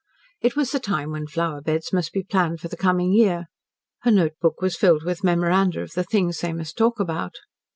It was the time when flower beds must be planned for the coming year. Her notebook was filled with memoranda of the things they must talk about.